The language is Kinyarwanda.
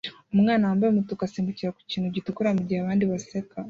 Umwana wambaye umutuku asimbukira ku kintu gitukura mugihe abandi baseka